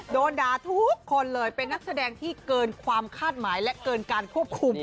โดนด่าทุกคนเลยเป็นนักแสดงที่เกินความคาดหมายและเกินการควบคุม